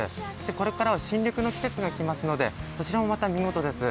これからは新緑の季節が来ますのでそちらもまた、魅力です。